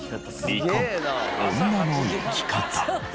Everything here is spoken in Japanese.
離婚女の生き方。